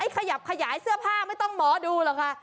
ขยับขยายเสื้อผ้าไม่ต้องหมอดูหรอกค่ะ